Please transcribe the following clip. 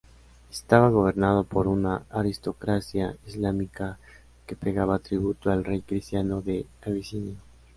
Estaba gobernado por una aristocracia islámica que pagaba tributo al rey cristiano de Abisinia.